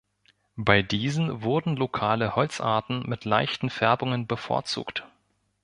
Bei diesen wurden lokale Holzarten mit leichten Färbungen bevorzugt.